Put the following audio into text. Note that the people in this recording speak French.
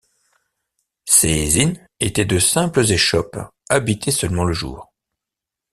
Ces inns étaient de simples échoppes, habitées seulement le jour.